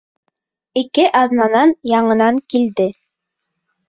Ике аҙнанан яңынан килде.